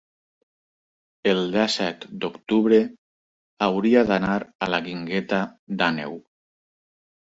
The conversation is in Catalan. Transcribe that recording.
el disset d'octubre hauria d'anar a la Guingueta d'Àneu.